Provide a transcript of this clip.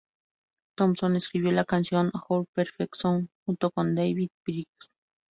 Thompson escribió la canción "Our Perfect Song" junto con David Briggs.